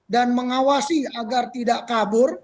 dan mengawasi agar tidak kabur